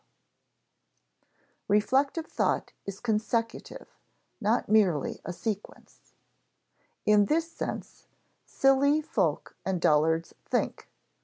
[Sidenote: Reflective thought is consecutive, not merely a sequence] In this sense, silly folk and dullards think.